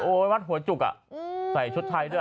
โอ้ยหัวจุกใส่ชุดไทยด้วย